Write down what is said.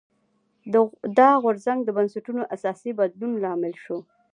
دا غورځنګ د بنسټونو اساسي بدلون لامل شو.